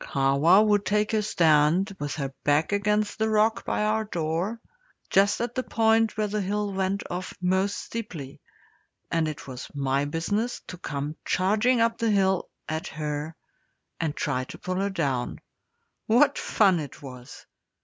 Kahwa would take her stand with her back against the rock by our door, just at the point where the hill went off most steeply, and it was my business to come charging up the hill at her and try to pull her down. What fun it was!